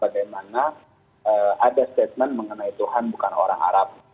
di mana ada statement mengenai tuhan bukan orang arab